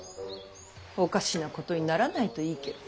おかしなことにならないといいけど。